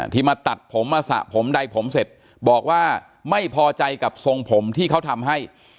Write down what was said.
มาตัดผมมาสระผมใดผมเสร็จบอกว่าไม่พอใจกับทรงผมที่เขาทำให้